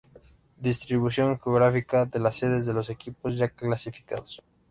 Distribución geográfica de las sedes de los equipos ya clasificados.